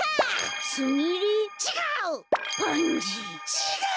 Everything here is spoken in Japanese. ちがう！